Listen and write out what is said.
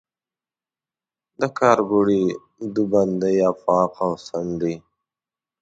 د کارکوړي، دوبندۍ آفاق او څنډي